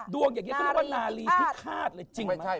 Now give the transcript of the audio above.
ดวงอยากคิดว่าว่านาลีพิฆาตเลยจริงไหม